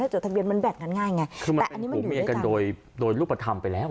จดทะเบียนมันแบ่งงานง่ายไงคือมันอันนี้ผัวเมียกันโดยโดยรูปธรรมไปแล้ว